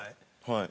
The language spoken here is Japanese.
はい。